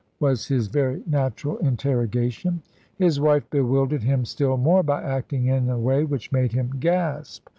was his very natural interrogation. His wife bewildered him still more by acting in a way which made him gasp.